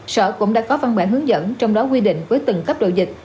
sở cũng đã có văn bản hướng dẫn trong đó quy định với từng cấp độ dịch